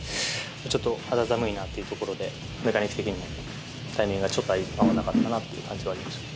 ちょっと肌寒いなというところで、メカニック的にタイミングがちょっと合わなかったなっていう感じはありました。